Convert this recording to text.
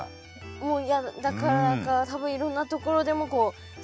もうやだだからか多分いろんなところでもそうね。